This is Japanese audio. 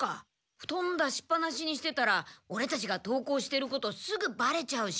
ふとん出しっぱなしにしてたらオレたちが登校してることすぐバレちゃうし。